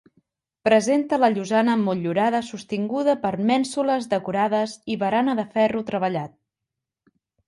Presenta la llosana motllurada sostinguda per mènsules decorades i barana de ferro treballat.